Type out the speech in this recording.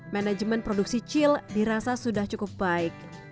manajemen produksi cil dirasa sudah cukup baik